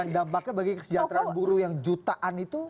dan dampaknya bagi kesejahteraan buruh yang jutaan itu